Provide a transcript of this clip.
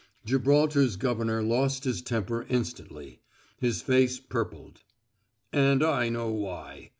Gibraltar's governor lost his temper instanter; his face purpled. "And I know why!"